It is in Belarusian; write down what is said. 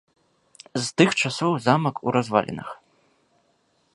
З тых часоў замак у развалінах.